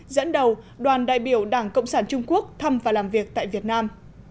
dẫn đầu đoàn đại biểu đảng cộng sản trung quốc thăm và làm việc tại việt nam